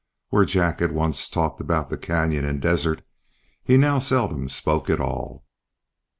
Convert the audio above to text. Where Jack had once talked about the canyon and desert, he now seldom spoke at all.